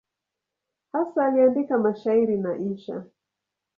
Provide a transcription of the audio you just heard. Hasa aliandika mashairi na insha.